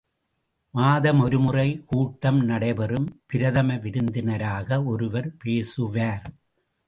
மாதம் ஒருமுறை கூட்டம் நடைபெறும் பிரதமவிருந்தினராக ஒருவர் பேசுவார்.